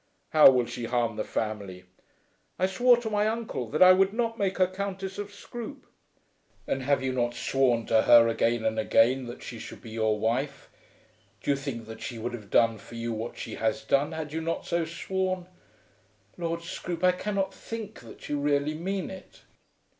"How will she harm the family?" "I swore to my uncle that I would not make her Countess of Scroope." "And have you not sworn to her again and again that she should be your wife? Do you think that she would have done for you what she has done, had you not so sworn? Lord Scroope, I cannot think that you really mean it."